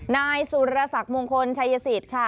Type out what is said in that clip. นายสุรสักรมงคลชัยสิตค่ะ